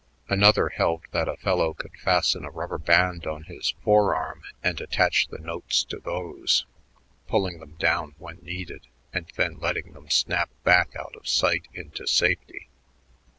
Another held that a fellow could fasten a rubber band on his forearm and attach the notes to those, pulling them down when needed and then letting them snap back out of sight into safety.